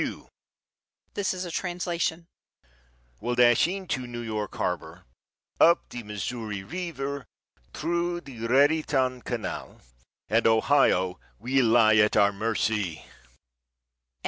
(this is a translation) "will dash into New York Harbor, up the Missouri River, through the Raritan Canal, and Ohio will lie at our mercy."